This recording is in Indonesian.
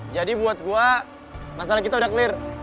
jadi buat gua masalah kita udah clear